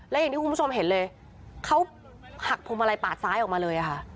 และอย่างที่คุณผู้ชมเห็นเลยเขาหักพวงมาลัยปาดซ้ายออกมาเลยค่ะ